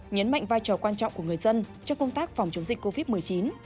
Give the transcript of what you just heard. nhấn mạnh vai trò quan trọng của người dân trong công tác phòng chống dịch covid một mươi chín